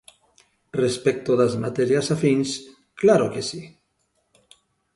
Respecto das materias afíns, ¡claro que si!